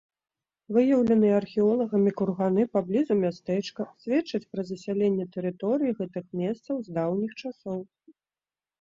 Выяўленыя археолагамі курганы паблізу мястэчка сведчаць пра засяленне тэрыторыі гэтых месцаў з даўніх часоў.